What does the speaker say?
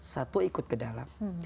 satu ikut ke dalam